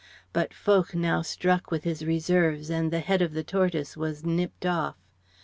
But Foch now struck with his reserves, and the head of the tortoise was nipped off.